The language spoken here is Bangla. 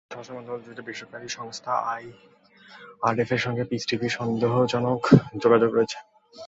ভারতের স্বরাষ্ট্র মন্ত্রণালয় বলছে, বেসরকারি সংস্থা আইআরএফের সঙ্গে পিস টিভির সন্দেহজনক যোগাযোগ রয়েছে।